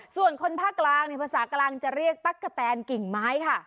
ส่วนคนภาคกลางภาษากลางจะเรียกตั๊กกะแตนกิ่งไม้ค่ะ